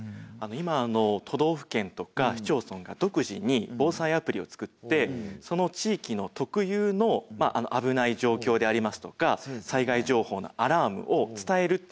今都道府県とか市町村が独自に防災アプリを作ってその地域の特有の危ない状況でありますとか災害情報のアラームを伝えるっていう仕組みがあります。